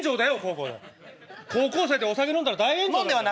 高校生でお酒飲んだら大炎上だよ。